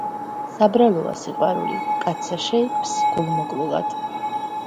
საბრალოა სიყვარული, კაცსა შეიქმს გულ-მოკლულად.